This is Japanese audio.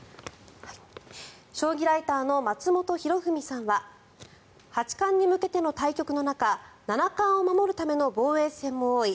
将棋ライターの松本博文さんは八冠に向けての対局の中七冠を守るための防衛戦も多い